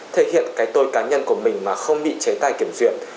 thể hiện cái tôi cá nhân của mình mà không bị chế tài kiểm duyệt